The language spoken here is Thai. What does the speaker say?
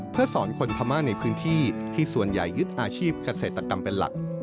เพื่อสอนคนพม่าในพื้นที่ที่ส่วนใหญ่ยึดอาชีพเกษตรกรรมเป็นหลัก